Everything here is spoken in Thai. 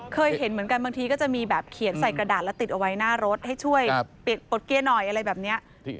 เคยเห็นเหมือนกันบางทีก็จะมีแบบเขียนใส่กระดาษแล้วติดเอาไว้หน้ารถให้ช่วยปลดเกียร์หน่อยอะไรแบบนี้